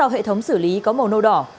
hệ thống xử lý có màu nâu đỏ